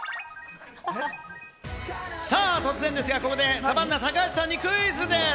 突然ですが、ここでサバンナ高橋さんにクイズです。